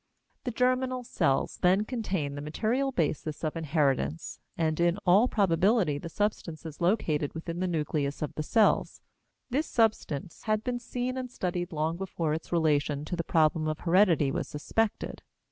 The germinal cells then contain the material basis of inheritance, and in all probability the substance is located within the nucleus of the cells. This substance had been seen and studied long before its relation to the problem of heredity was suspected.